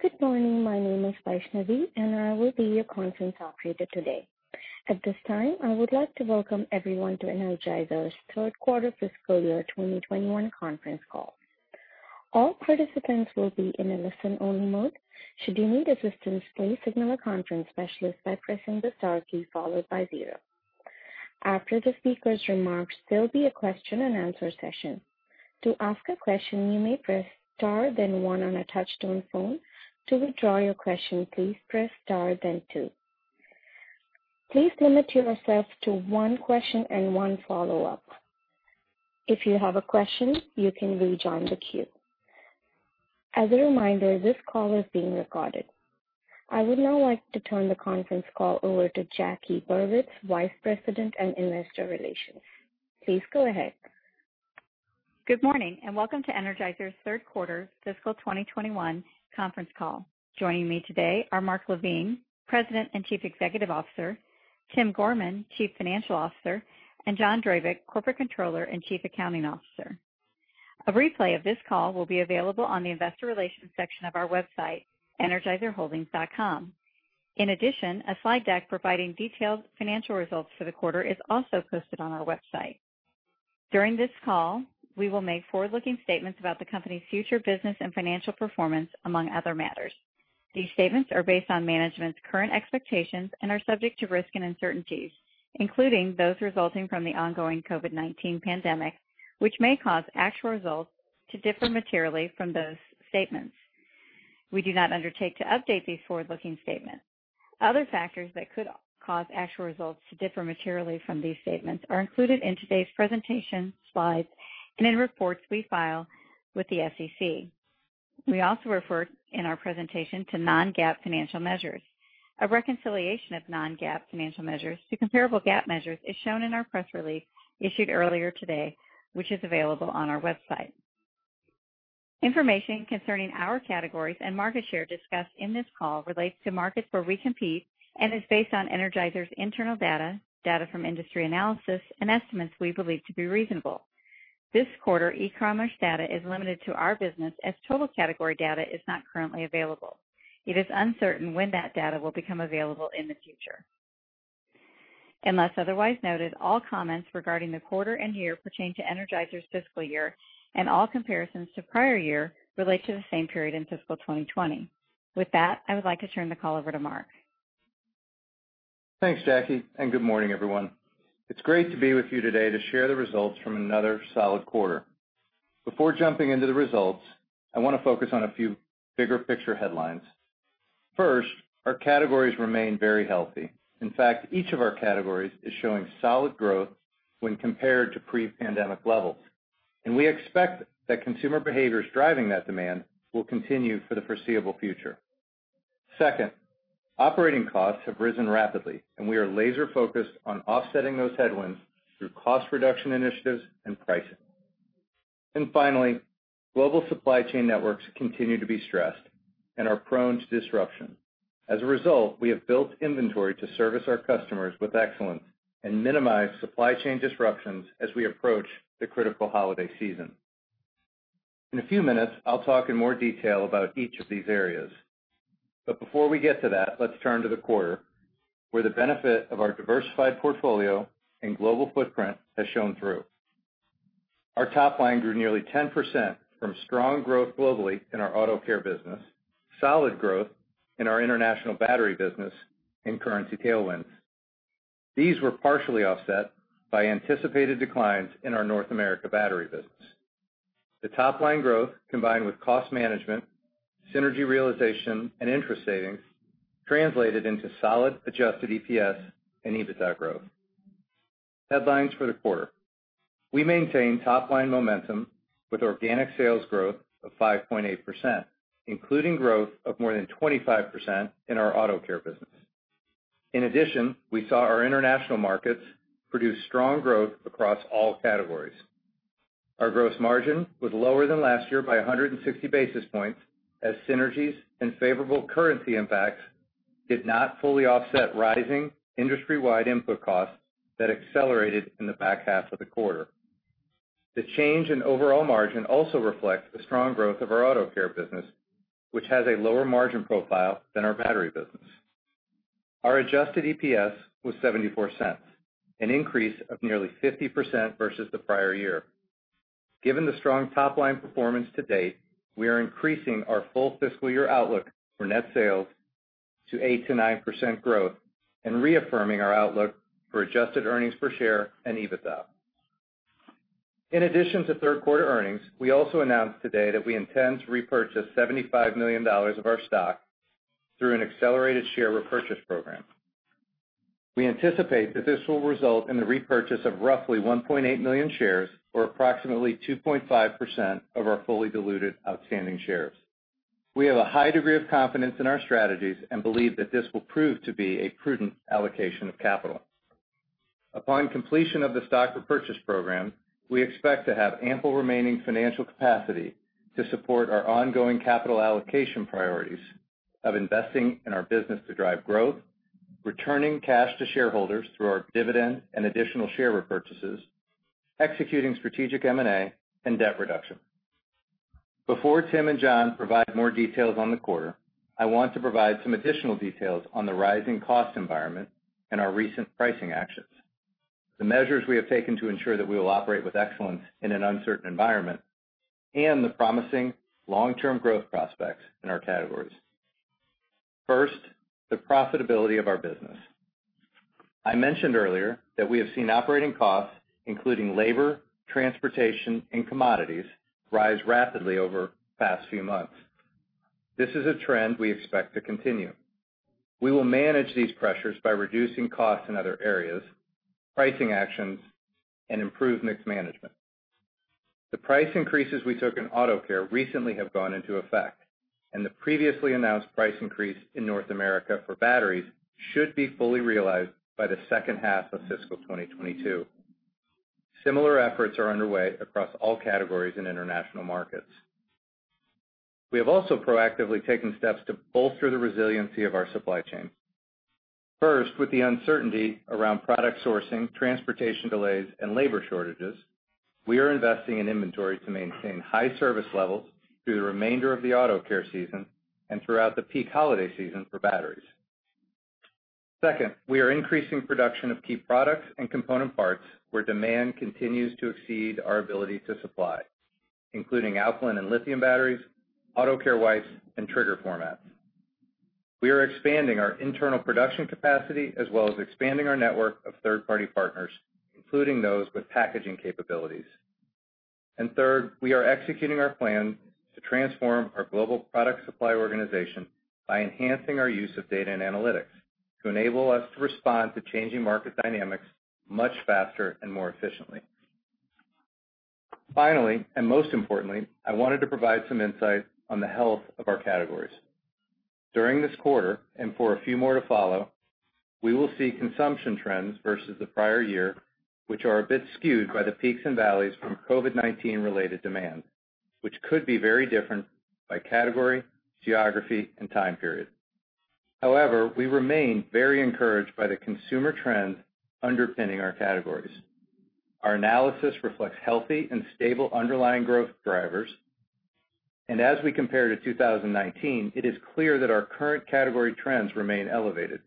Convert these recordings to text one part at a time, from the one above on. Good morning. My name is Vaishnavi, and I will be your conference operator today. At this time, I would like to welcome everyone to Energizer's third quarter fiscal year 2021 conference call. All participants will be in a listen-only mode. Should you need assistance, please signal a conference specialist by pressing the star key followed by zero. After the speaker's remarks, there'll be a question-and-answer session. To ask a question, you may press star then one on a touch-tone phone. To withdraw your question, please press star then two. Please limit yourself to one question and one follow-up. If you have a question, you can rejoin the queue. As a reminder, this call is being recorded. I would now like to turn the conference call over to Jackie Burwitz, Vice President and Investor Relations. Please go ahead. Good morning, welcome to Energizer's third quarter fiscal 2021 conference call. Joining me today are Mark LaVigne, President and Chief Executive Officer, Tim Gorman, Chief Financial Officer, and John Drabik, Corporate Controller and Chief Accounting Officer. A replay of this call will be available on the investor relations section of our website, energizerholdings.com. In addition, a slide deck providing detailed financial results for the quarter is also posted on our website. During this call, we will make forward-looking statements about the company's future business and financial performance, among other matters. These statements are based on management's current expectations and are subject to risks and uncertainties, including those resulting from the ongoing COVID-19 pandemic, which may cause actual results to differ materially from those statements. We do not undertake to update these forward-looking statements. Other factors that could cause actual results to differ materially from these statements are included in today's presentation slides and in reports we file with the SEC. We also refer in our presentation to non-GAAP financial measures. A reconciliation of non-GAAP financial measures to comparable GAAP measures is shown in our press release issued earlier today, which is available on our website. Information concerning our categories and market share discussed in this call relates to markets where we compete and is based on Energizer's internal data from industry analysis, and estimates we believe to be reasonable. This quarter, e-commerce data is limited to our business, as total category data is not currently available. It is uncertain when that data will become available in the future. Unless otherwise noted, all comments regarding the quarter and year pertain to Energizer's fiscal year, and all comparisons to prior year relate to the same period in fiscal 2020. With that, I would like to turn the call over to Mark. Thanks, Jackie, and good morning, everyone. It's great to be with you today to share the results from another solid quarter. Before jumping into the results, I want to focus on a few bigger picture headlines. First, our categories remain very healthy. In fact, each of our categories is showing solid growth when compared to pre-pandemic levels, and we expect that consumer behaviors driving that demand will continue for the foreseeable future. Second, operating costs have risen rapidly, and we are laser-focused on offsetting those headwinds through cost reduction initiatives and pricing. Finally, global supply chain networks continue to be stressed and are prone to disruption. As a result, we have built inventory to service our customers with excellence and minimize supply chain disruptions as we approach the critical holiday season. In a few minutes, I'll talk in more detail about each of these areas. Before we get to that, let's turn to the quarter, where the benefit of our diversified portfolio and global footprint has shown through. Our top line grew nearly 10% from strong growth globally in our auto care business, solid growth in our international battery business, and currency tailwinds. These were partially offset by anticipated declines in our North America battery business. The top line growth, combined with cost management, synergy realization, and interest savings, translated into solid adjusted EPS and EBITDA growth. Headlines for the quarter. We maintained top-line momentum with organic sales growth of 5.8%, including growth of more than 25% in our auto care business. In addition, we saw our international markets produce strong growth across all categories. Our gross margin was lower than last year by 160 basis points, as synergies and favorable currency impacts did not fully offset rising industry-wide input costs that accelerated in the back half of the quarter. The change in overall margin also reflects the strong growth of our auto care business, which has a lower margin profile than our battery business. Our adjusted EPS was $0.74, an increase of nearly 50% versus the prior year. Given the strong top-line performance to date, we are increasing our full fiscal year outlook for net sales to 8%-9% growth and reaffirming our outlook for adjusted earnings per share and EBITDA. In addition to third quarter earnings, we also announced today that we intend to repurchase $75 million of our stock through an accelerated share repurchase program. We anticipate that this will result in the repurchase of roughly 1.8 million shares or approximately 2.5% of our fully diluted outstanding shares. We have a high degree of confidence in our strategies and believe that this will prove to be a prudent allocation of capital. Upon completion of the stock repurchase program, we expect to have ample remaining financial capacity to support our ongoing capital allocation priorities of investing in our business to drive growth, returning cash to shareholders through our dividend and additional share repurchases, executing strategic M&A and debt reduction. Before Tim and John provide more details on the quarter, I want to provide some additional details on the rising cost environment and our recent pricing actions, the measures we have taken to ensure that we will operate with excellence in an uncertain environment, and the promising long-term growth prospects in our categories. First, the profitability of our business. I mentioned earlier that we have seen operating costs, including labor, transportation, and commodities, rise rapidly over the past few months. This is a trend we expect to continue. We will manage these pressures by reducing costs in other areas, pricing actions, and improved mix management. The price increases we took in Auto Care recently have gone into effect, and the previously announced price increase in North America for batteries should be fully realized by the second half of fiscal 2022. Similar efforts are underway across all categories in international markets. We have also proactively taken steps to bolster the resiliency of our supply chain. First, with the uncertainty around product sourcing, transportation delays, and labor shortages, we are investing in inventory to maintain high service levels through the remainder of the Auto Care season and throughout the peak holiday season for batteries. Second, we are increasing production of key products and component parts where demand continues to exceed our ability to supply, including alkaline and lithium batteries, Auto Care wipes, and trigger formats. We are expanding our internal production capacity as well as expanding our network of third-party partners, including those with packaging capabilities. Third, we are executing our plan to transform our global product supply organization by enhancing our use of data and analytics to enable us to respond to changing market dynamics much faster and more efficiently. Finally, and most importantly, I wanted to provide some insight on the health of our categories. During this quarter, and for a few more to follow, we will see consumption trends versus the prior year, which are a bit skewed by the peaks and valleys from COVID-19 related demand, which could be very different by category, geography, and time period. However, we remain very encouraged by the consumer trends underpinning our categories. Our analysis reflects healthy and stable underlying growth drivers. As we compare to 2019, it is clear that our current category trends remain elevated.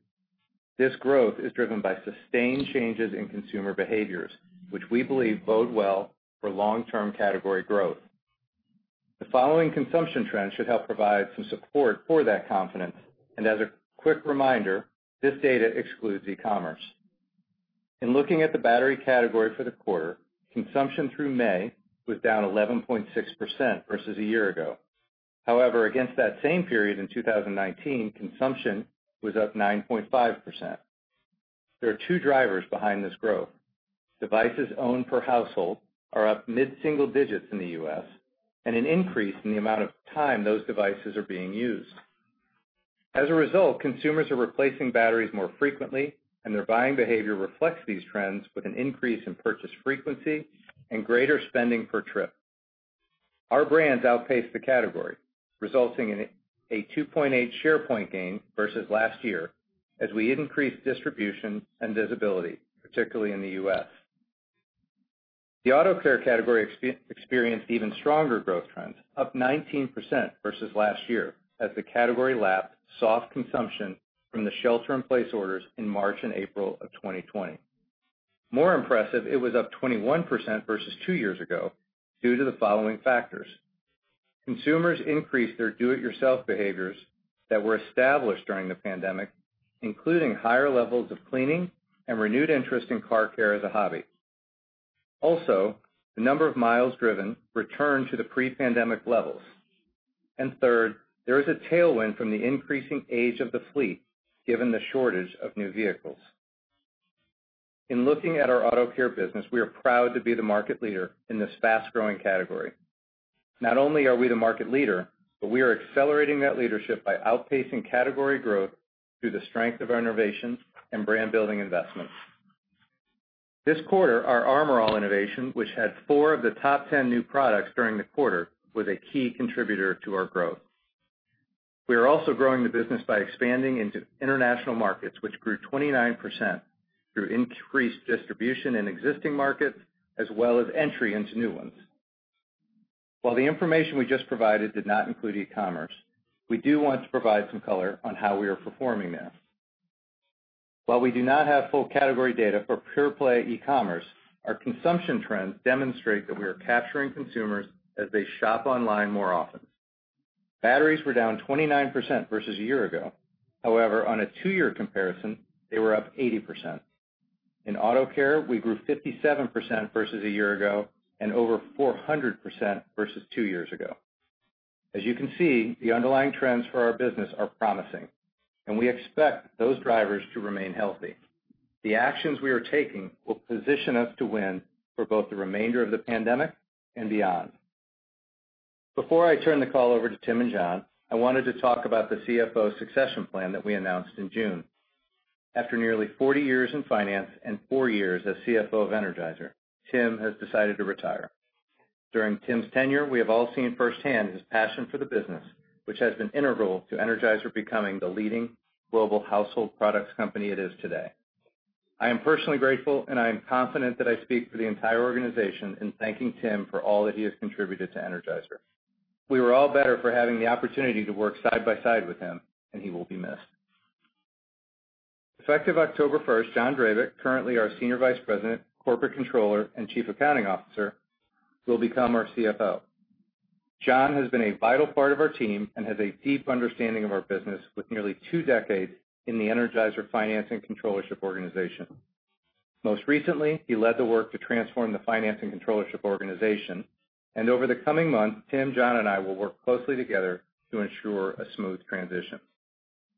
This growth is driven by sustained changes in consumer behaviors, which we believe bode well for long-term category growth. The following consumption trends should help provide some support for that confidence, and as a quick reminder, this data excludes e-commerce. In looking at the battery category for the quarter, consumption through May was down 11.6% versus a year ago. However, against that same period in 2019, consumption was up 9.5%. There are two drivers behind this growth. Devices owned per household are up mid-single digits in the U.S., and an increase in the amount of time those devices are being used. As a result, consumers are replacing batteries more frequently, and their buying behavior reflects these trends with an increase in purchase frequency and greater spending per trip. Our brands outpaced the category, resulting in a 2.8 share point gain versus last year as we increased distribution and visibility, particularly in the U.S. The Auto Care category experienced even stronger growth trends, up 19% versus last year as the category lapsed soft consumption from the shelter-in-place orders in March and April of 2020. More impressive, it was up 21% versus two years ago due to the following factors. Consumers increased their do-it-yourself behaviors that were established during the pandemic, including higher levels of cleaning and renewed interest in car care as a hobby. Also, the number of miles driven returned to the pre-pandemic levels. Third, there is a tailwind from the increasing age of the fleet given the shortage of new vehicles. In looking at our Auto Care business, we are proud to be the market leader in this fast-growing category. Not only are we the market leader, but we are accelerating that leadership by outpacing category growth through the strength of our innovations and brand-building investments. This quarter, our Armor All innovation, which had four of the top 10 new products during the quarter, was a key contributor to our growth. We are also growing the business by expanding into international markets, which grew 29% through increased distribution in existing markets, as well as entry into new ones. While the information we just provided did not include e-commerce, we do want to provide some color on how we are performing there. While we do not have full category data for pure-play e-commerce, our consumption trends demonstrate that we are capturing consumers as they shop online more often. Batteries were down 29% versus a year ago. However, on a two-year comparison, they were up 80%. In Auto Care, we grew 57% versus a year ago and over 400% versus two years ago. As you can see, the underlying trends for our business are promising, and we expect those drivers to remain healthy. The actions we are taking will position us to win for both the remainder of the pandemic and beyond. Before I turn the call over to Tim and John, I wanted to talk about the CFO succession plan that we announced in June. After nearly 40 years in finance and four years as CFO of Energizer, Tim has decided to retire. During Tim's tenure, we have all seen firsthand his passion for the business, which has been integral to Energizer becoming the leading global household products company it is today. I am personally grateful, and I am confident that I speak for the entire organization in thanking Tim for all that he has contributed to Energizer. We were all better for having the opportunity to work side by side with him, and he will be missed. Effective October 1st, John Drabik, currently our Senior Vice President, Corporate Controller, and Chief Accounting Officer, will become our CFO. John has been a vital part of our team and has a deep understanding of our business with nearly two decades in the Energizer Finance and Controllership Organization. Most recently, he led the work to transform the finance and controllership organization. Over the coming months, Tim, John, and I will work closely together to ensure a smooth transition.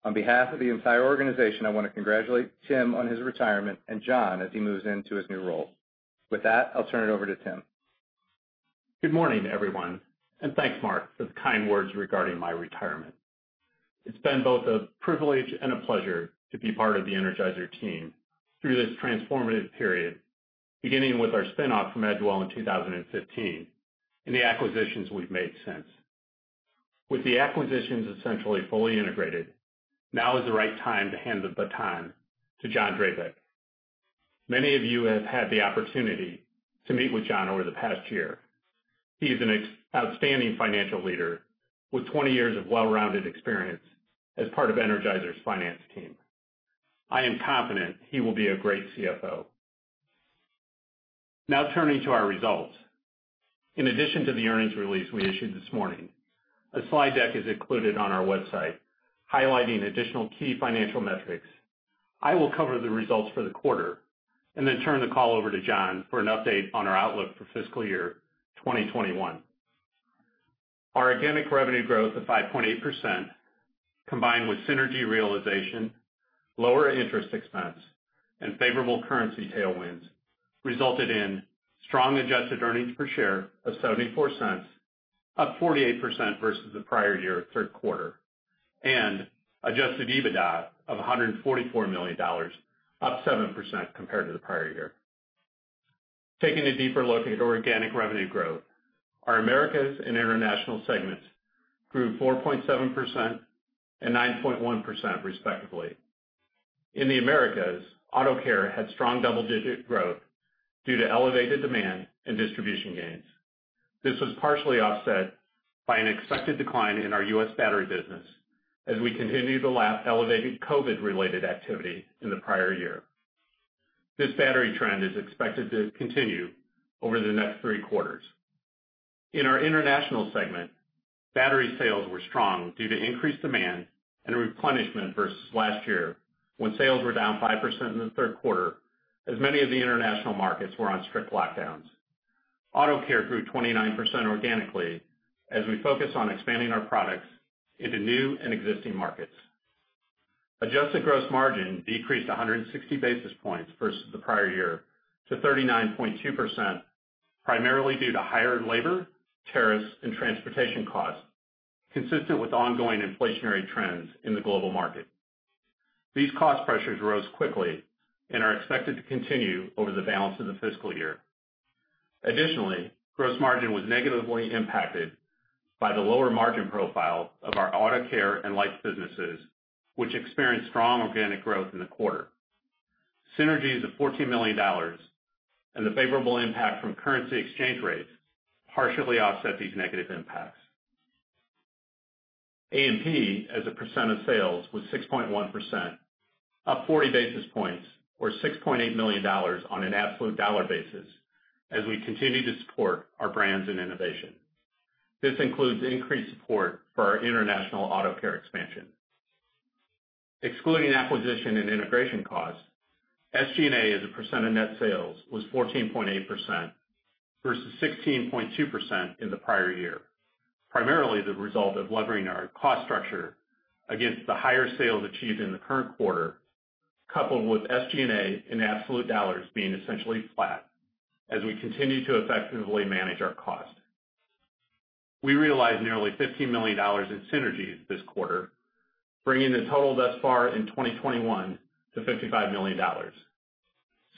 On behalf of the entire organization, I want to congratulate Tim on his retirement, and John as he moves into his new role. With that, I'll turn it over to Tim. Good morning, everyone, and thanks, Mark, for the kind words regarding my retirement. It's been both a privilege and a pleasure to be part of the Energizer team through this transformative period, beginning with our spin off from Edgewell in 2015 and the acquisitions we've made since. With the acquisitions essentially fully integrated, now is the right time to hand the baton to John Drabik. Many of you have had the opportunity to meet with John over the past year. He is an outstanding financial leader with 20 years of well-rounded experience as part of Energizer's finance team. I am confident he will be a great CFO. Now turning to our results. In addition to the earnings release we issued this morning, a slide deck is included on our website highlighting additional key financial metrics. I will cover the results for the quarter and turn the call over to John for an update on our outlook for FY 2021. Our organic revenue growth of 5.8%, combined with synergy realization, lower interest expense, and favorable currency tailwinds, resulted in strong adjusted earnings per share of $0.74, up 48% versus the prior year third quarter, and adjusted EBITDA of $144 million, up 7% compared to the prior year. Taking a deeper look at organic revenue growth. Our Americas and International segments grew 4.7% and 9.1% respectively. In the Americas, Auto Care had strong double-digit growth due to elevated demand and distribution gains. This was partially offset by an expected decline in our U.S. battery business as we continue the elevated COVID-19 related activity in the prior year. This battery trend is expected to continue over the next three quarters. In our international segment, battery sales were strong due to increased demand and replenishment versus last year, when sales were down 5% in the third quarter as many of the international markets were on strict lockdowns. Auto Care grew 29% organically as we focus on expanding our products into new and existing markets. Adjusted gross margin decreased 160 basis points versus the prior year to 39.2%, primarily due to higher labor, tariffs, and transportation costs, consistent with ongoing inflationary trends in the global market. These cost pressures rose quickly and are expected to continue over the balance of the fiscal year. Additionally, gross margin was negatively impacted by the lower margin profile of our Auto Care and lights businesses, which experienced strong organic growth in the quarter. Synergies of $14 million and the favorable impact from currency exchange rates partially offset these negative impacts. A&P as a percent of sales was 6.1%, up 40 basis points or $6.8 million on an absolute dollar basis as we continue to support our brands and innovation. This includes increased support for our international Auto Care expansion. Excluding acquisition and integration costs, SG&A as a percent of net sales was 14.8% versus 16.2% in the prior year, primarily the result of levering our cost structure against the higher sales achieved in the current quarter, coupled with SG&A and absolute dollars being essentially flat as we continue to effectively manage our cost. We realized nearly $15 million in synergies this quarter, bringing the total thus far in 2021 to $55 million.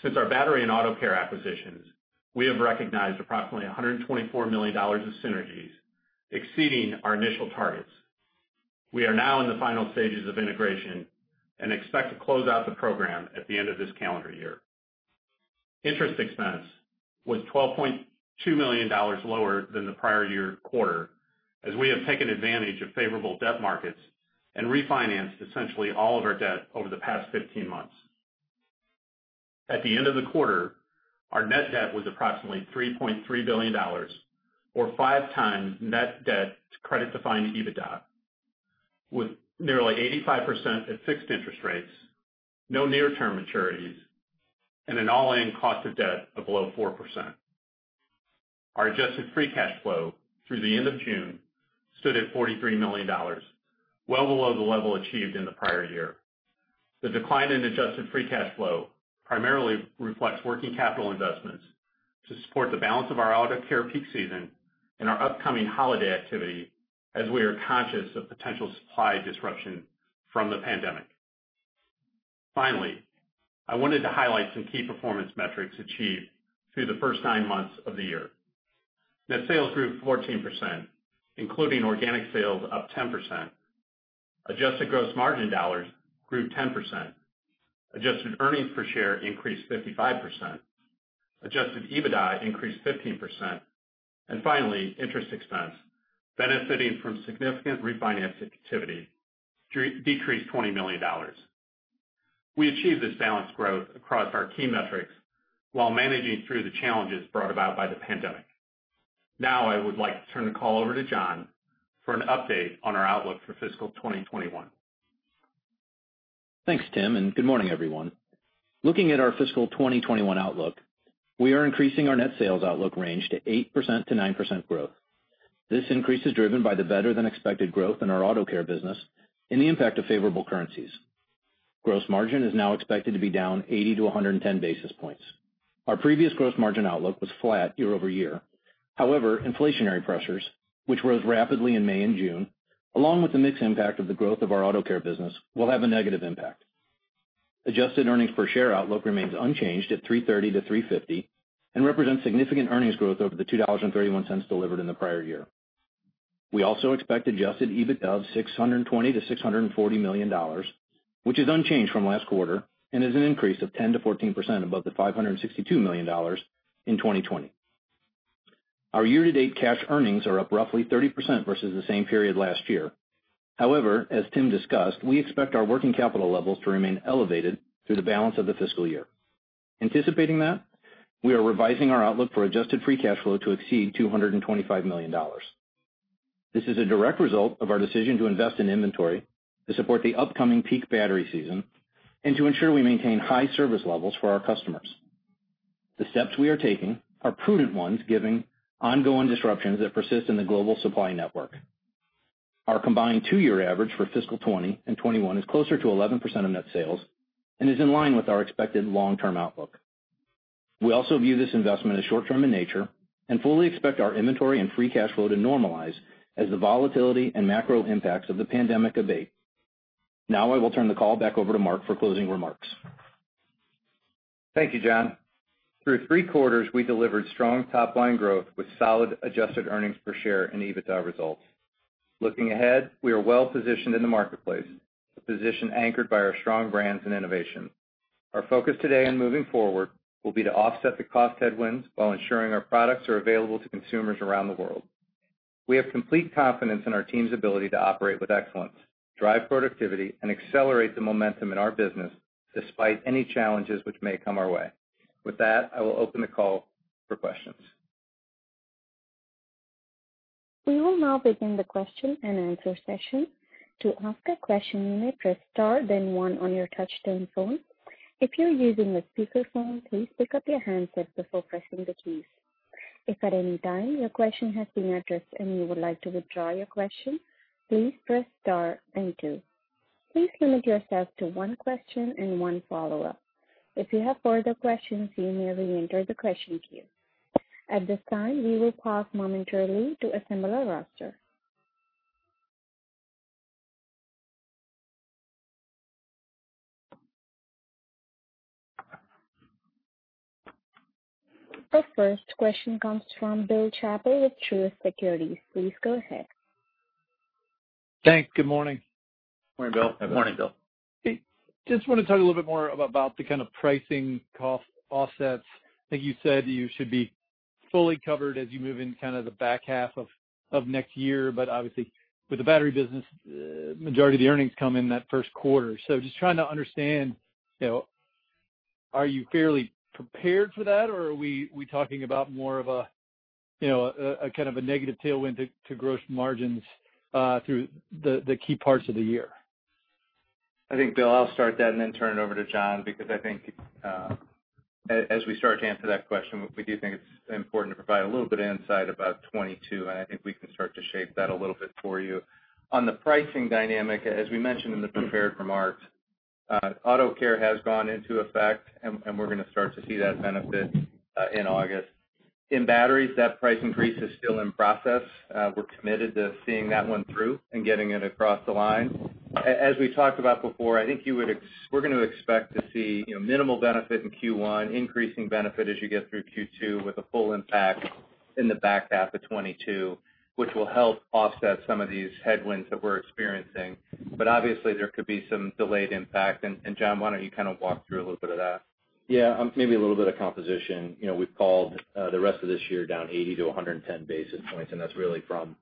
Since our battery and Auto Care acquisitions, we have recognized approximately $124 million of synergies, exceeding our initial targets. We are now in the final stages of integration and expect to close out the program at the end of this calendar year. Interest expense was $12.2 million lower than the prior year quarter as we have taken advantage of favorable debt markets and refinanced essentially all of our debt over the past 15 months. At the end of the quarter, our net debt was approximately $3.3 billion, or 5x net debt to credit defined EBITDA, with nearly 85% at fixed interest rates, no near term maturities, and an all-in cost of debt of below 4%. Our adjusted free cash flow through the end of June stood at $43 million, well below the level achieved in the prior year. The decline in adjusted free cash flow primarily reflects working capital investments to support the balance of our Auto Care peak season and our upcoming holiday activity as we are conscious of potential supply disruption from the pandemic. I wanted to highlight some key performance metrics achieved through the first nine months of the year. Net sales grew 14%, including organic sales up 10%. Adjusted gross margin dollars grew 10%. Adjusted earnings per share increased 55%. Adjusted EBITDA increased 15%. Finally, interest expense, benefiting from significant refinancing activity, decreased $20 million. We achieved this balanced growth across our key metrics while managing through the challenges brought about by the pandemic. I would like to turn the call over to John for an update on our outlook for fiscal 2021. Thanks, Tim, and good morning, everyone. Looking at our fiscal 2021 outlook, we are increasing our net sales outlook range to 8%-9% growth. This increase is driven by the better-than-expected growth in our auto care business and the impact of favorable currencies. Gross margin is now expected to be down 80 basis points-110 basis points. Our previous gross margin outlook was flat year-over-year. However, inflationary pressures, which rose rapidly in May and June, along with the mixed impact of the growth of our auto care business, will have a negative impact. Adjusted earnings per share outlook remains unchanged at $3.30-$3.50 and represents significant earnings growth over the $2.31 delivered in the prior year. We also expect adjusted EBITDA of $620 million-$640 million, which is unchanged from last quarter and is an increase of 10%-14% above the $562 million in 2020. Our year-to-date cash earnings are up roughly 30% versus the same period last year. As Tim discussed, we expect our working capital levels to remain elevated through the balance of the fiscal year. Anticipating that, we are revising our outlook for adjusted free cash flow to exceed $225 million. This is a direct result of our decision to invest in inventory to support the upcoming peak battery season and to ensure we maintain high service levels for our customers. The steps we are taking are prudent ones given ongoing disruptions that persist in the global supply network. Our combined two-year average for fiscal 2020 and 2021 is closer to 11% of net sales and is in line with our expected long-term outlook. We also view this investment as short-term in nature and fully expect our inventory and free cash flow to normalize as the volatility and macro impacts of the pandemic abate. I will turn the call back over to Mark for closing remarks. Thank you, John. Through three quarters, we delivered strong top-line growth with solid adjusted earnings per share and EBITDA results. Looking ahead, we are well-positioned in the marketplace, a position anchored by our strong brands and innovation. Our focus today and moving forward will be to offset the cost headwinds while ensuring our products are available to consumers around the world. We have complete confidence in our team's ability to operate with excellence, drive productivity, and accelerate the momentum in our business despite any challenges which may come our way. With that, I will open the call for questions. We will now begin question-and-answers session. To ask a question you may please press star then one on your touchtone phone. If you are using the speaker phone please pick up your handset before pressing the keys. If at any time your question as been answered and you may like to withdraw your question please press star and two. Please limit yourself to one question and one follow up. If you have further question re-enter the queue. At this time we will pose momentarily to assemble the roster. The first question comes from Bill Chappell with Truist Securities. Please go ahead. Thanks. Good morning. Morning, Bill. Morning, Bill. Just want to talk a little bit more about the kind of pricing cost offsets. I think you said you should be fully covered as you move in kind of the back half of next year, obviously with the battery business, majority of the earnings come in that first quarter. Just trying to understand, are you fairly prepared for that or are we talking about more of a kind of a negative tailwind to gross margins through the key parts of the year? I think, Bill, I'll start that and then turn it over to John, because I think as we start to answer that question, we do think it's important to provide a little bit of insight about 2022, and I think we can start to shape that a little bit for you. On the pricing dynamic, as we mentioned in the prepared remarks, auto care has gone into effect and we're going to start to see that benefit in August. In batteries, that price increase is still in process. We're committed to seeing that one through and getting it across the line. As we talked about before, I think we're going to expect to see minimal benefit in Q1, increasing benefit as you get through Q2 with a full impact in the back half of 2022, which will help offset some of these headwinds that we're experiencing. Obviously there could be some delayed impact. John, why don't you kind of walk through a little bit of that? Yeah, maybe a little bit of composition. We've called the rest of this year down 80 basis points-110 basis points. That's really from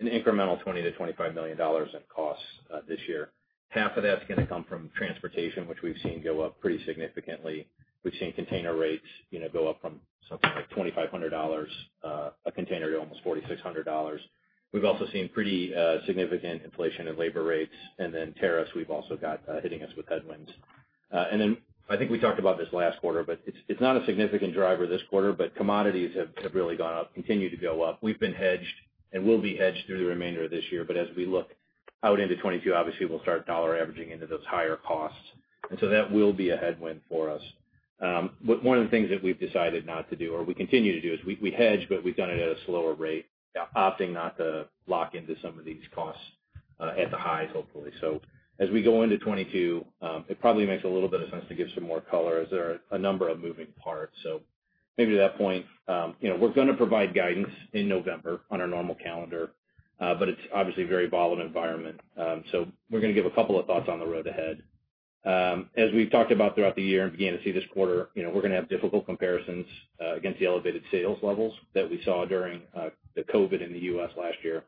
an incremental $20 million-$25 million in costs this year. Half of that's going to come from transportation, which we've seen go up pretty significantly. We've seen container rates go up from something like $2,500 a container to almost $4,600. We've also seen pretty significant inflation in labor rates. Tariffs we've also got hitting us with headwinds. I think we talked about this last quarter. It's not a significant driver this quarter. Commodities have really gone up, continue to go up. We've been hedged and will be hedged through the remainder of this year. As we look out into 2022, obviously we'll start dollar-averaging into those higher costs. That will be a headwind for us. One of the things that we've decided not to do, or we continue to do, is we hedge, but we've done it at a slower rate, opting not to lock into some of these costs at the highs, hopefully. As we go into 2022, it probably makes a little bit of sense to give some more color, as there are a number of moving parts. Maybe to that point, we're going to provide guidance in November on our normal calendar, but it's obviously a very volatile environment. We're going to give a couple of thoughts on the road ahead. As we've talked about throughout the year and began to see this quarter, we're going to have difficult comparisons against the elevated sales levels that we saw during the COVID-19 in the U.S. last year.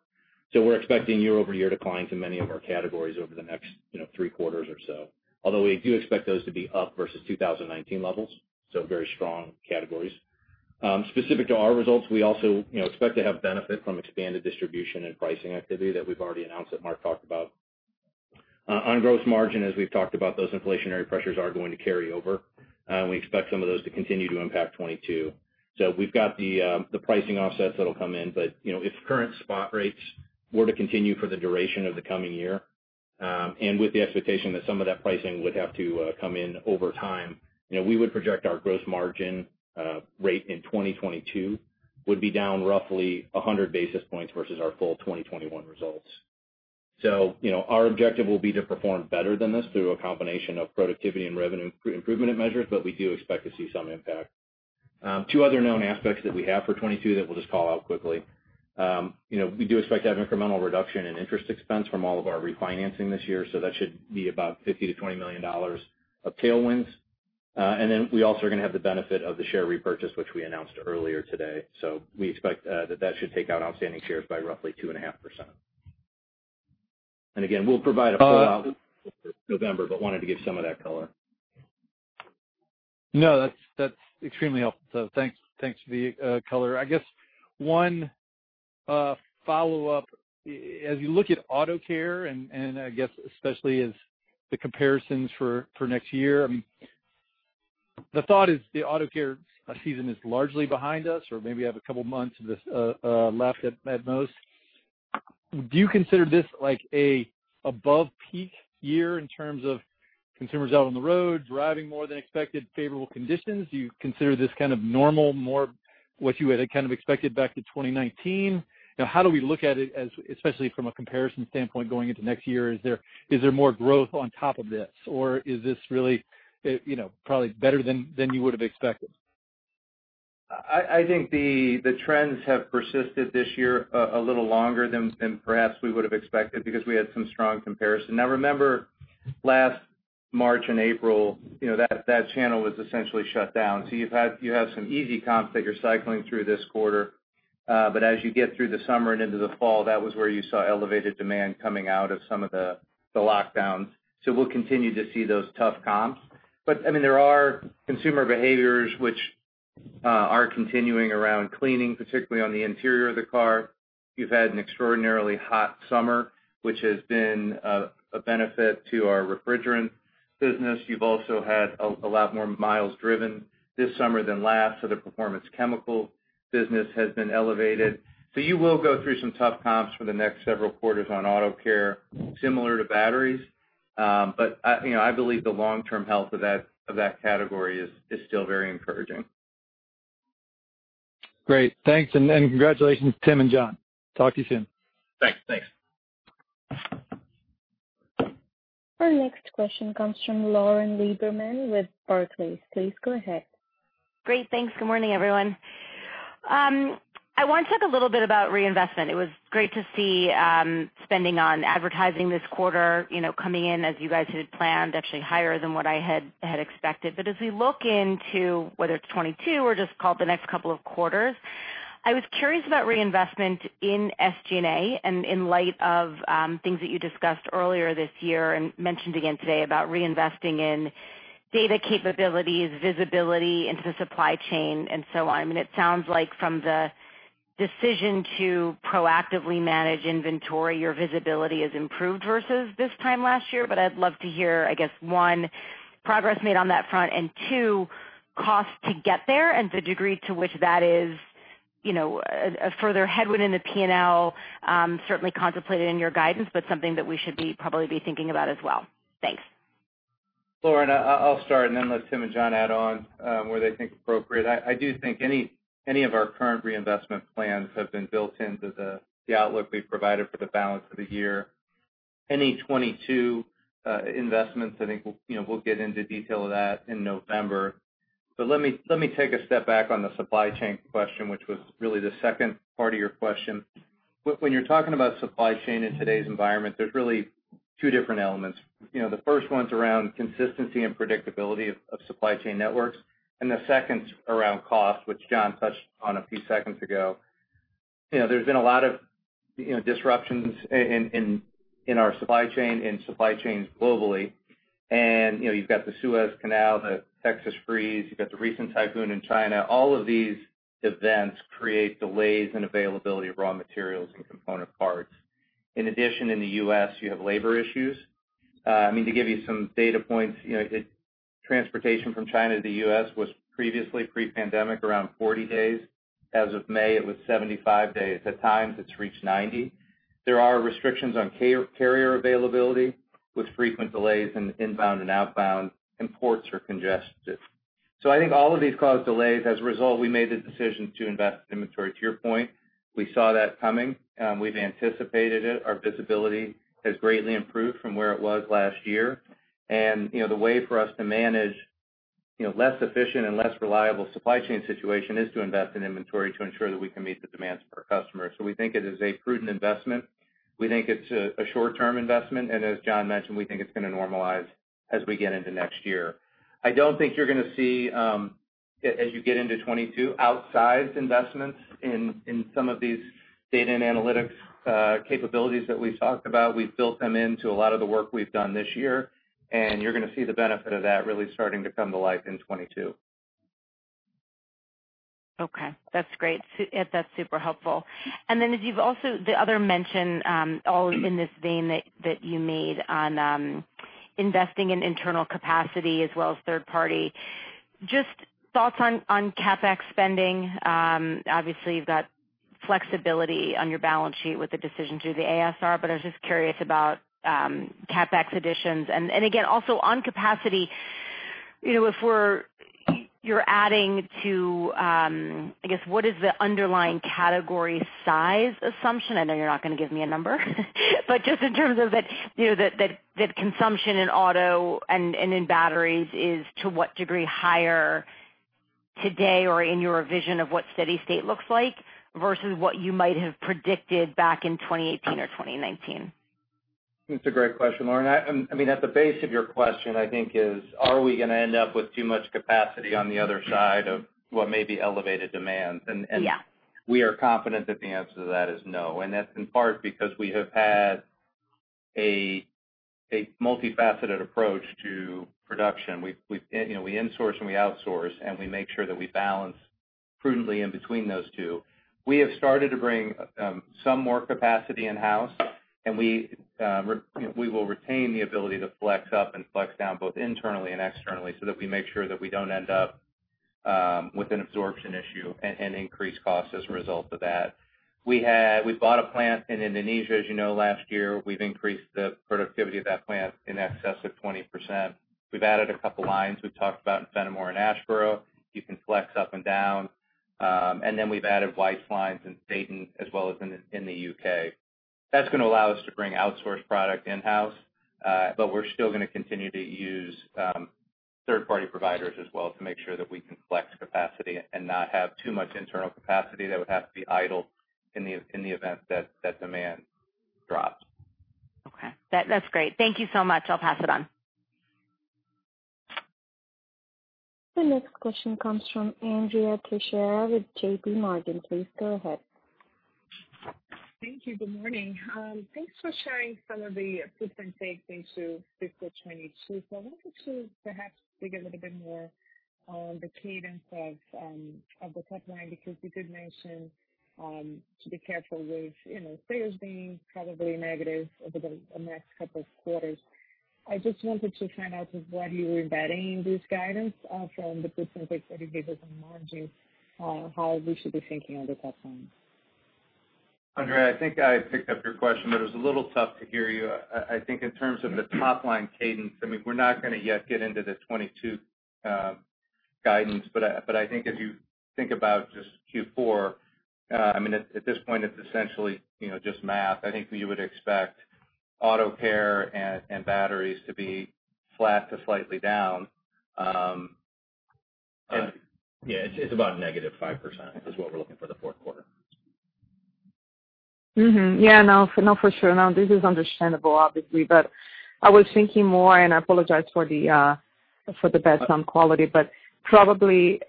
We're expecting year-over-year declines in many of our categories over the next three quarters or so, although we do expect those to be up versus 2019 levels, so very strong categories. Specific to our results, we also expect to have benefit from expanded distribution and pricing activity that we've already announced, that Mark talked about. On gross margin, as we've talked about, those inflationary pressures are going to carry over. We expect some of those to continue to impact 2022. We've got the pricing offsets that'll come in. If current spot rates were to continue for the duration of the coming year, and with the expectation that some of that pricing would have to come in over time, we would project our gross margin rate in 2022 would be down roughly 100 basis points versus our full 2021 results. Our objective will be to perform better than this through a combination of productivity and revenue improvement measures. We do expect to see some impact. Two other known aspects that we have for 2022 that we'll just call out quickly. We do expect to have incremental reduction in interest expense from all of our refinancing this year. That should be about $15 million-$20 million of tailwinds. We also are going to have the benefit of the share repurchase, which we announced earlier today. We expect that that should take out outstanding shares by roughly 2.5%. Again, we'll provide a full-out in November, but wanted to give some of that color. No, that's extremely helpful. Thanks for the color. I guess one follow-up. As you look at auto care, and I guess especially as the comparisons for next year, the thought is the auto care season is largely behind us or maybe have a couple of months left at most. Do you consider this like a above-peak year in terms of consumers out on the road driving more than expected, favorable conditions? Do you consider this kind of normal, more what you had kind of expected back to 2019? How do we look at it, especially from a comparison standpoint going into next year? Is there more growth on top of this, or is this really probably better than you would have expected? I think the trends have persisted this year a little longer than perhaps we would have expected because we had some strong comparison. Now remember, last March and April, that channel was essentially shut down. You have some easy comps that you're cycling through this quarter. As you get through the summer and into the fall, that was where you saw elevated demand coming out of some of the lockdowns. We'll continue to see those tough comps. There are consumer behaviors which are continuing around cleaning, particularly on the interior of the car. You've had an extraordinarily hot summer, which has been a benefit to our refrigerant business. You've also had a lot more miles driven this summer than last, so the performance chemical business has been elevated. You will go through some tough comps for the next several quarters on auto care, similar to batteries. I believe the long-term health of that category is still very encouraging. Great. Thanks, and congratulations, Tim and John. Talk to you soon. Thanks. Our next question comes from Lauren Lieberman with Barclays. Please go ahead. Great. Thanks. Good morning, everyone. I want to talk a little bit about reinvestment. It was great to see spending on advertising this quarter coming in as you guys had planned, actually higher than what I had expected. As we look into whether it's 2022 or just call it the next couple of quarters, I was curious about reinvestment in SG&A, and in light of things that you discussed earlier this year and mentioned again today about reinvesting in data capabilities, visibility into the supply chain, and so on. It sounds like from the decision to proactively manage inventory, your visibility has improved versus this time last year. I'd love to hear, I guess, one, progress made on that front, and two, costs to get there and the degree to which that is a further headwind in the P&L, certainly contemplated in your guidance, but something that we should probably be thinking about as well. Thanks. Lauren, I'll start and then let Tim and John add on where they think appropriate. I do think any of our current reinvestment plans have been built into the outlook we've provided for the balance of the year. Any 2022 investments, I think, we'll get into detail of that in November. Let me take a step back on the supply chain question, which was really the second part of your question. When you're talking about supply chain in today's environment, there's really two different elements. The first one's around consistency and predictability of supply chain networks, and the second's around cost, which John touched on a few seconds ago. There's been a lot of disruptions in our supply chain and supply chains globally. You've got the Suez Canal, the Texas freeze, you've got the recent typhoon in China. All of these events create delays in availability of raw materials and component parts. In addition, in the U.S., you have labor issues. To give you some data points, transportation from China to the U.S. was previously, pre-pandemic, around 40 days. As of May, it was 75 days. At times, it's reached 90. There are restrictions on carrier availability, with frequent delays in inbound and outbound, and ports are congested. I think all of these cause delays. As a result, we made the decision to invest in inventory. To your point, we saw that coming. We've anticipated it. Our visibility has greatly improved from where it was last year. The way for us to manage less efficient and less reliable supply chain situation is to invest in inventory to ensure that we can meet the demands of our customers. We think it is a prudent investment. We think it's a short-term investment, and as John mentioned, we think it's going to normalize as we get into next year. I don't think you're going to see, as you get into 2022, outsized investments in some of these data and analytics capabilities that we've talked about. We've built them into a lot of the work we've done this year, and you're going to see the benefit of that really starting to come to life in 2022. Okay. That's great. That's super helpful. The other mention all in this vein that you made on investing in internal capacity as well as third-party, just thoughts on CapEx spending? Obviously, you've got flexibility on your balance sheet with the decision to do the ASR. I was just curious about CapEx additions. Also on capacity, if you're adding to, I guess, what is the underlying category size assumption? I know you're not going to give me a number, but just in terms of that consumption in auto and in batteries is to what degree higher today or in your vision of what steady state looks like versus what you might have predicted back in 2018 or 2019? That's a great question, Lauren. At the base of your question, I think is, are we going to end up with too much capacity on the other side of what may be elevated demand? Yeah. We are confident that the answer to that is no. That's in part because we have had a multifaceted approach to production. We insource and we outsource, we make sure that we balance prudently in between those two. We have started to bring some more capacity in-house, we will retain the ability to flex up and flex down both internally and externally so that we make sure that we don't end up with an absorption issue and increased cost as a result of that. We bought a plant in Indonesia, as you know, last year. We've increased the productivity of that plant in excess of 20%. We've added couple lines we've talked about in Fennimore and Asheboro. You can flex up and down. We've added wipes lines in Dayton as well as in the U.K. That's going to allow us to bring outsourced product in-house. We're still going to continue to use third-party providers as well to make sure that we can flex capacity and not have too much internal capacity that would have to be idle in the event that demand drops. Okay. That's great. Thank you so much. I'll pass it on. The next question comes from Andrea Teixeira with JPMorgan. Please go ahead. Thank you. Good morning. Thanks for sharing some of the specifics into fiscal 2022. I wanted to perhaps dig a little bit more on the cadence of the top line, because you did mention to be careful with FX being probably negative over the next couple of quarters. I just wanted to find out with what you are embedding this guidance from the specifics that you gave us on margins, how we should be thinking on the top line. Andrea, I think I picked up your question, but it was a little tough to hear you. I think in terms of the top line cadence, we're not going to yet get into the 2022 guidance, but I think if you think about just Q4, at this point it's essentially just math. I think you would expect auto care and batteries to be flat to slightly down. It's about -5%, is what we're looking for the fourth quarter. Mm-hmm. Yeah. No, for sure. This is understandable, obviously, but I was thinking more, and I apologize for the bad sound quality, but probably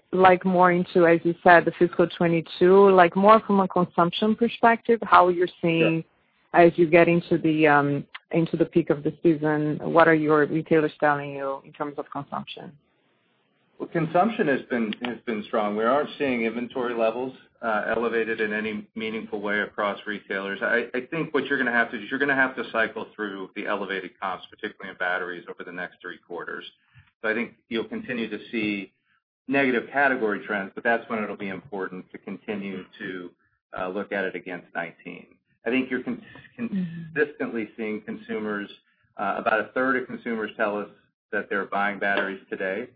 more into, as you said, the fiscal 2022, more from a consumption perspective. Yeah. How you're seeing as you get into the peak of the season, what are your retailers telling you in terms of consumption? Well, consumption has been strong. We aren't seeing inventory levels elevated in any meaningful way across retailers. I think what you're going to have to do is you're going to have to cycle through the elevated costs, particularly in batteries, over the next three quarters. I think you'll continue to see negative category trends, but that's when it'll be important to continue to look at it against 2019. I think you're consistently seeing consumers, about a third of consumers tell us that they're buying batteries today,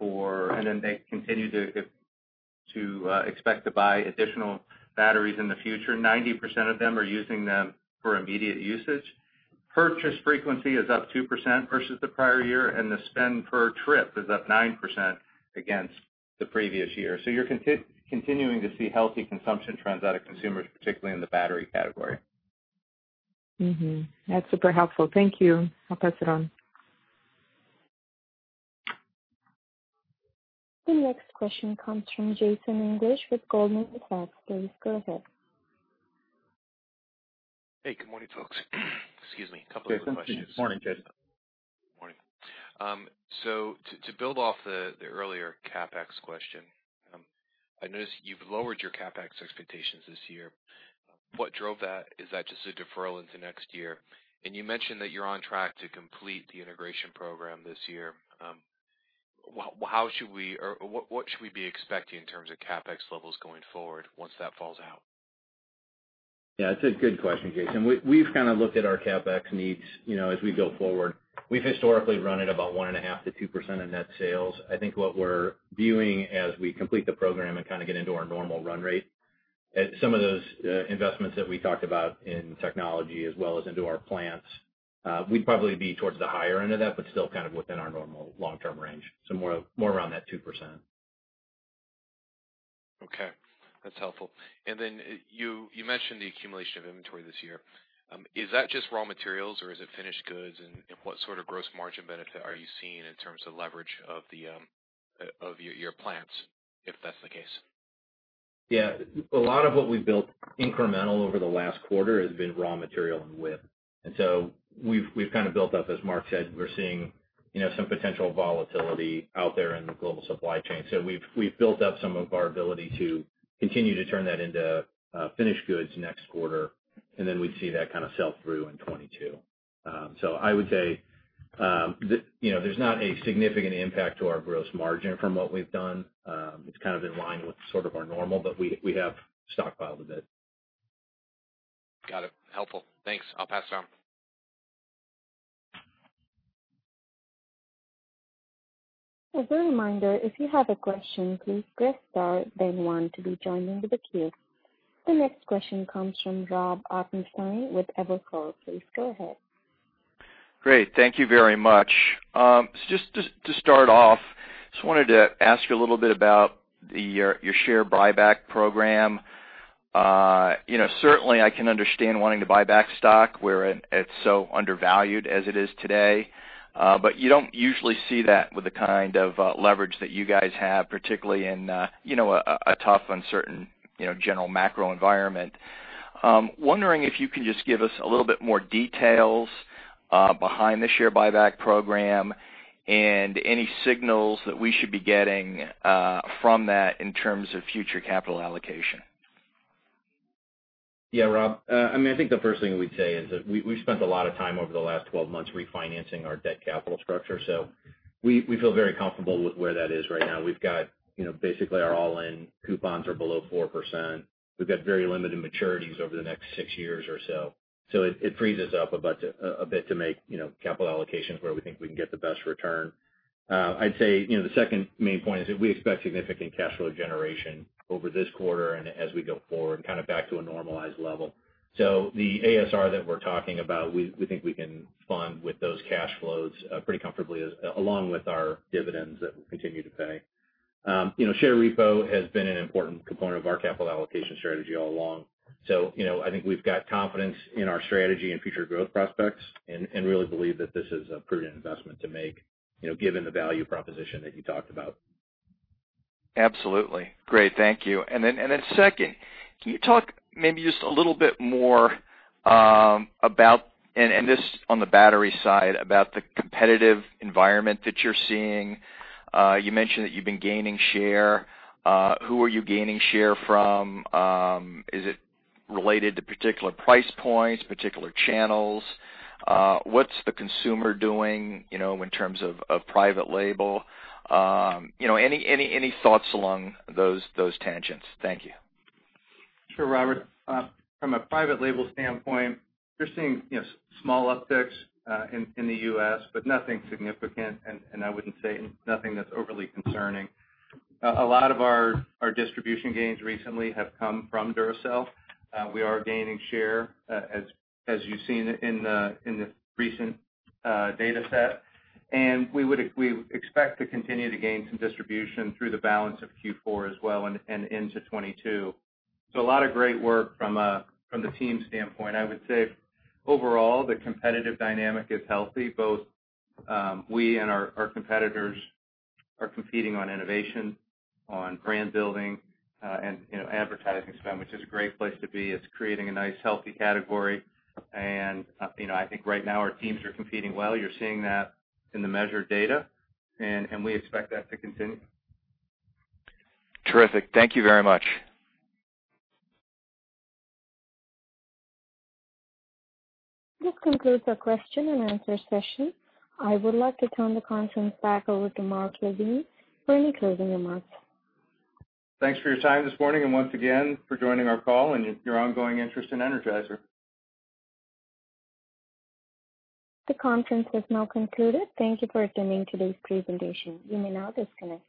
and then they continue to expect to buy additional batteries in the future. 90% of them are using them for immediate usage. Purchase frequency is up 2% versus the prior year, and the spend per trip is up 9% against the previous year. You're continuing to see healthy consumption trends out of consumers, particularly in the battery category. Mm-hmm. That's super helpful. Thank you. I'll pass it on. The next question comes from Jason English with Goldman Sachs. Please go ahead. Hey, good morning, folks. Excuse me. A couple of quick questions. Good morning, Jason. Morning. To build off the earlier CapEx question, I noticed you've lowered your CapEx expectations this year. What drove that? Is that just a deferral into next year? You mentioned that you're on track to complete the integration program this year. What should we be expecting in terms of CapEx levels going forward once that falls out? It's a good question, Jason. We've kind of looked at our CapEx needs as we go forward. We've historically run at about 1.5%-2% of net sales. I think what we're viewing as we complete the program and kind of get into our normal run rate, some of those investments that we talked about in technology as well as into our plants, we'd probably be towards the higher end of that, but still kind of within our normal long-term range. More around that 2%. Okay, that's helpful. You mentioned the accumulation of inventory this year. Is that just raw materials or is it finished goods? What sort of gross margin benefit are you seeing in terms of leverage of your plants, if that's the case? Yeah. A lot of what we've built incremental over the last quarter has been raw material and WIP. We've kind of built up, as Mark said, we're seeing some potential volatility out there in the global supply chain. We've built up some of our ability to continue to turn that into finished goods next quarter, and then we'd see that kind of sell through in 2022. I would say, there's not a significant impact to our gross margin from what we've done. It's kind of in line with sort of our normal, but we have stockpiled a bit. Got it. Helpful. Thanks. I'll pass it on. As a reminder if you have a question press star then one to rejoin the queue. The next question comes from Rob Ottenstein with Evercore. Please go ahead. Great. Thank you very much. Just to start off, just wanted to ask you a little bit about your share buyback program. Certainly, I can understand wanting to buy back stock where it's so undervalued as it is today. You don't usually see that with the kind of leverage that you guys have, particularly in a tough, uncertain general macro environment. Wondering if you can just give us a little bit more details behind the share buyback program and any signals that we should be getting from that in terms of future capital allocation? Yeah, Rob. I think the first thing we'd say is that we've spent a lot of time over the last 12 months refinancing our debt capital structure. We feel very comfortable with where that is right now. We've got basically our all-in coupons are below 4%. We've got very limited maturities over the next six years or so. It frees us up a bit to make capital allocations where we think we can get the best return. I'd say the second main point is that we expect significant cash flow generation over this quarter and as we go forward, kind of back to a normalized level. The ASR that we're talking about, we think we can fund with those cash flows pretty comfortably, along with our dividends that we'll continue to pay. Share repo has been an important component of our capital allocation strategy all along. I think we've got confidence in our strategy and future growth prospects and really believe that this is a prudent investment to make, given the value proposition that you talked about. Absolutely. Great. Thank you. Second, can you talk maybe just a little bit more about, and this on the battery side, about the competitive environment that you're seeing? You mentioned that you've been gaining share. Who are you gaining share from? Is it related to particular price points, particular channels? What's the consumer doing in terms of private label? Any thoughts along those tangents? Thank you. Sure, Robert. From a private label standpoint, we're seeing small upticks in the U.S., but nothing significant. I wouldn't say nothing that's overly concerning. A lot of our distribution gains recently have come from Duracell. We are gaining share, as you've seen in the recent data set. We expect to continue to gain some distribution through the balance of Q4 as well and into 2022. A lot of great work from the team standpoint. I would say, overall, the competitive dynamic is healthy. Both we and our competitors are competing on innovation, on brand building, and advertising spend, which is a great place to be. It's creating a nice, healthy category. I think right now our teams are competing well. You're seeing that in the measured data. We expect that to continue. Terrific. Thank you very much. This concludes our question-and-answer session. I would like to turn the conference back over to Mark LaVigne for any closing remarks. Thanks for your time this morning, and once again for joining our call and your ongoing interest in Energizer. The conference has now concluded. Thank you for attending today's presentation. You may now disconnect.